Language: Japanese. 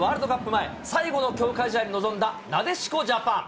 前、最後の強化試合に臨んだなでしこジャパン。